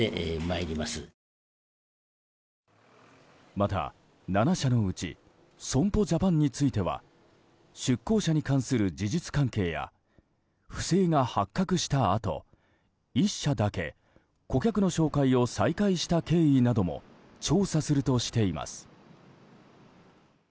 また、７社のうち損保ジャパンについては出向者に関する事実関係や不正が発覚したあと１社だけ顧客の紹介を再開した経緯なども調査するとしています。